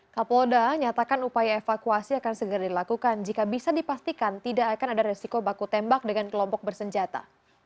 kapolda nyatakan upaya evakuasi akan segera dilakukan jika bisa dipastikan tidak akan ada resiko baku tembak dengan kelompok bersenjata